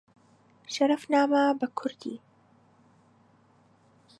شەرەفنامە بە کوردی